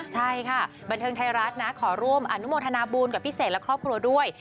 ใช่ค่ะบันเทิงไทยรัฐนะขอร่วมอนุโมทนาบุญกับพี่เสกและครอบครัวด้วย